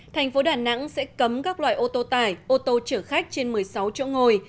thành phố đà nẵng sẽ cấm các loại ô tô tải ô tô chở khách trên một mươi sáu chỗ ngồi